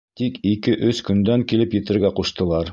Тик ике-өс көндән килеп етергә ҡуштылар.